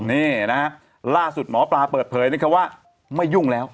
นี่นะฮะล่าสุดหมอปลาเปิดเผยนะครับว่าไม่ยุ่งแล้ว